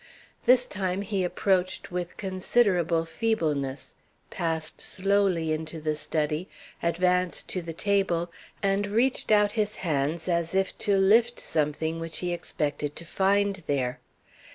This time he approached with considerable feebleness, passed slowly into the study, advanced to the table, and reached out his hands as if to lift something which he expected to find there.